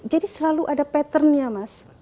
jadi selalu ada pattern nya mas